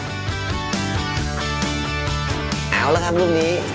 เอาแล้วครับรูปนี้